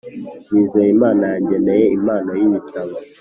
nizeyimana yageneye impano y’ibitabo